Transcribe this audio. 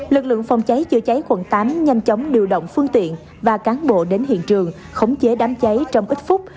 lực lượng phòng cháy chữa cháy quận tám nhanh chóng điều động phương tiện và cán bộ đến hiện trường khống chế đám cháy trong ít phút